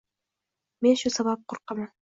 Men shu sabab qo‘rqaman.